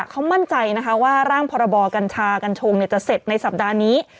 เขามั่นใจนะคะว่าร่างพรบกัญชากัญชงจะเสร็จในสัปดาห์นี้